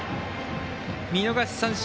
見逃し三振。